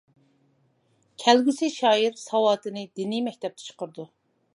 كەلگۈسى شائىر ساۋاتىنى دىنىي مەكتەپتە چىقىرىدۇ.